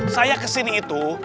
saya ke sini itu